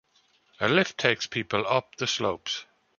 A lift takes people up the slopes.